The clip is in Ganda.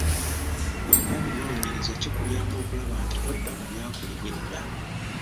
Ggwe ng’omunoonyereza kikuyamba okulaba nti todda mu byakolebwa edda.